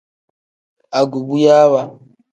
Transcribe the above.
Agubuyaawa.